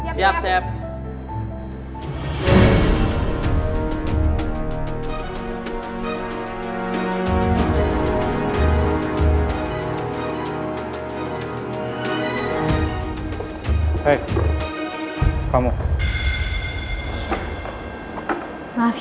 saya ditugaskan untuk jadi